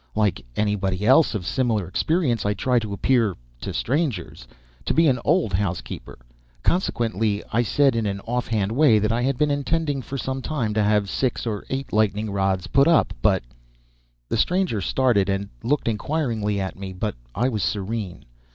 Like anybody else of similar experience, I try to appear (to strangers) to be an old housekeeper; consequently I said in an offhand way that I had been intending for some time to have six or eight lightning rods put up, but The stranger started, and looked inquiringly at me, but I was serene.